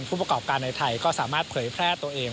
ผู้ประกอบการในไทยก็สามารถเผยแพร่ตัวเอง